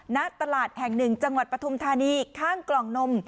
ณตลาดแห่งหนึ่งจังหวัดปฐุมธานีข้างกล่องนม